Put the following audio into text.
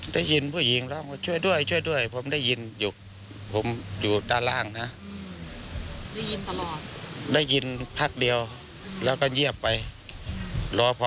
ได้ยินรวพพ่อโทษการ